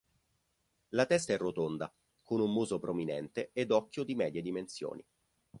La testa è rotonda, con un muso prominente ed occhio di medie dimensioni.